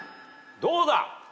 どうだ？